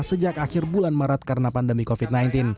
sejak akhir bulan maret karena pandemi covid sembilan belas